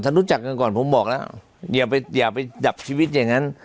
ถ้ารู้จักกันก่อนผมบอกแล้วอย่าไปดับชีวิตอย่างนั้น